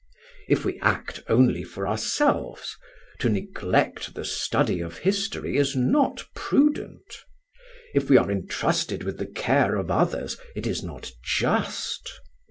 If we act only for ourselves, to neglect the study of history is not prudent. If we are entrusted with the care of others, it is not just.